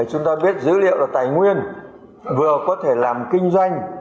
chúng ta biết dữ liệu là tài nguyên vừa có thể làm kinh doanh